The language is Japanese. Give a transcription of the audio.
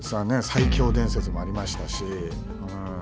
最強伝説もありましたし。